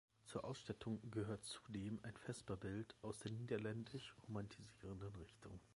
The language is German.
Zur Ausstattung gehört zudem ein Vesperbild aus der niederländisch romantisierenden Richtung.